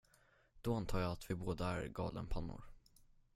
Då antar jag att vi båda är galenpannor.